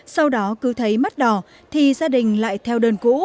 sau đó cứ thấy mắt đỏ thì gia đình lại theo đơn cũ